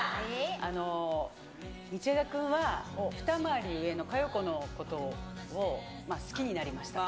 道枝君は、２回り上の佳代子のことを好きになりましたと。